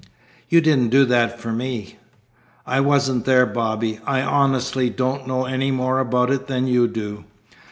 You didn't do that for me?" "I wasn't there, Bobby. I honestly don't know any more about it than you do."